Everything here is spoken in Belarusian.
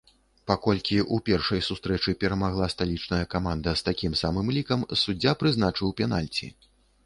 Паколькі ў першай сустрэчы перамагла сталічная каманда з такім самым лікам, суддзя прызначыў пенальці.